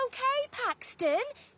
パクストン？